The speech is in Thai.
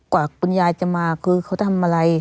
กว่าคุณยายจะมาคือเขาทำอะไร